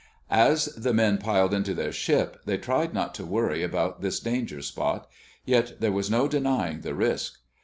As the men piled into their ship they tried not to worry about this danger spot; yet there was no denying the risk.